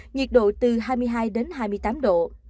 nhiệt độ từ hai mươi hai đến hai mươi tám độ